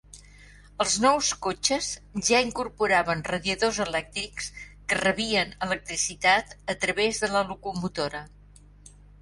Els nous cotxes ja incorporaven radiadors elèctrics, que rebien electricitat a través de la locomotora.